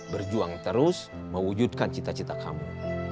berjuang terus mewujudkan cita cita kamu